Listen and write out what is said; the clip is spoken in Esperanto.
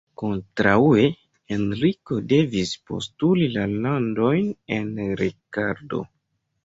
Kontraŭe, Henriko devis postuli la landojn el Rikardo.